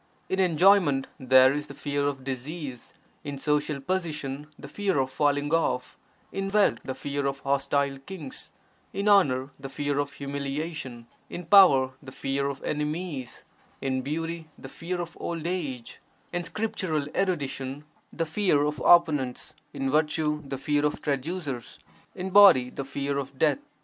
In enjoyment, there is the fear of disease; in social position, the fear of falling off; in wealth, the fear of (hostile) kings; in honour, the fear of humiliation; in power, the fear of enemies; in beauty, the fear of old age; in scriptural erudition, the fear of opponents; in virtue, the fear of traducers; in body, the fear of death.